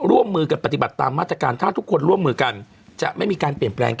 ร่วมมือกันปฏิบัติตามมาตรการ